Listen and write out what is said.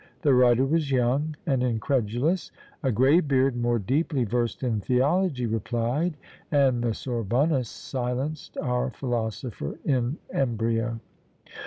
The writer was young and incredulous; a grey beard, more deeply versed in theology, replied, and the Sorbonnists silenced our philosopher in embryo.